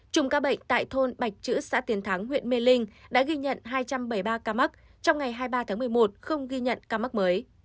trùng ca bệnh tại thôn bạch chữ xã tiến thắng huyện mê linh đã ghi nhận hai trăm bảy mươi ba ca mắc trong ngày hai mươi ba tháng một mươi một không ghi nhận ca mắc mới